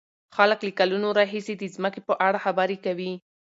خلک له کلونو راهيسې د ځمکې په اړه خبرې کوي.